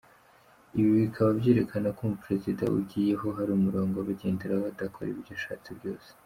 Ibi bikaba byerekana ko umuperezida ugiyeho hari umurongo aba agenderaho adakora ibyo ashatse byose.